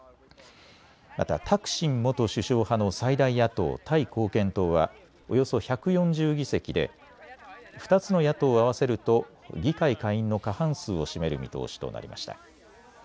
またタクシン元首相派の最大野党、タイ貢献党はおよそ１４０議席で２つの野党を合わせると議会下院の過半数を占める見通しとなりました。